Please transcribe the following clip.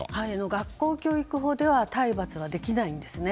学校教育法では体罰にはできないんですね。